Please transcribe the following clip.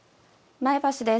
前橋です。